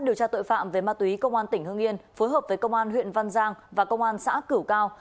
điều tra tội phạm về ma túy công an tỉnh hương yên phối hợp với công an huyện văn giang và công an xã cửu cao